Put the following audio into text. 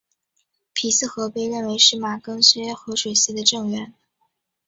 皮斯河被认为是马更些河水系的正源。